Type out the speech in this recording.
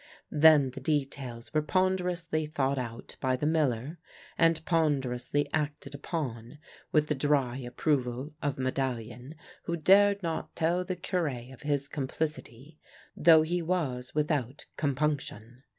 Then the details were ponderously thought out by the miller, and ponderously acted upon, with the dry ap proval of Medallion, who dared not tell the Cure of his complicity, though he was without compunction.